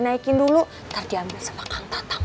nanti udah makan